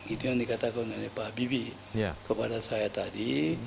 itu yang dikatakan oleh pak habibie kepada saya tadi